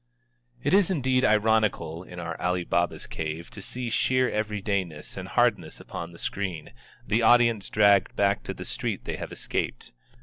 It is indeed ironical in our Ali Baba's cave to see sheer everydayness and hardness upon the screen, the audience dragged back to the street they have escaped.